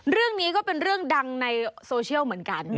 เรื่องนี้ก็เป็นเรื่องดังในโซเชียลเหมือนกัน